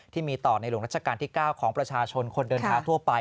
ที่มีต่อในหลวงรัชกาลที่๙ของประชาชนคนเดินเท้าทั่วไป